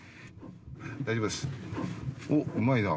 大丈夫です。